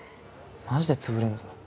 マジで潰れんぞ。